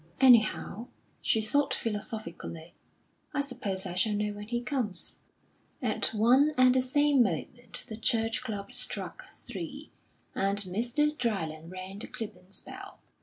"Anyhow," she thought philosophically, "I suppose I shall know when he comes." At one and the same moment the church clock struck three, and Mr. Dryland rang the Clibborns' bell.